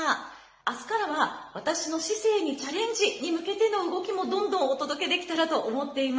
明日からは私の市政にチャレンジ！に向けての動きもどんどんお届けできたらと思っています。